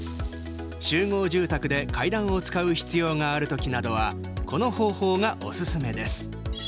集合住宅で階段を使う必要がある時などはこの方法がおすすめです。